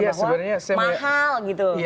bahwa mahal gitu